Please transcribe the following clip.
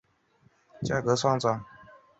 他们的主场是米兰迪斯球场。